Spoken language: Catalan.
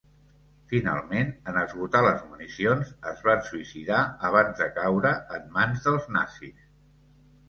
Finalment, en esgotar les municions, es van suïcidar abans de caure en mans dels nazis.